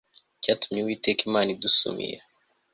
cyatumye uwiteka imana yacu idusumira